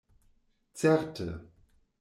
Certe!